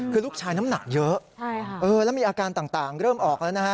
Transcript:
คือลูกชายน้ำหนักเยอะแล้วมีอาการต่างเริ่มออกแล้วนะฮะ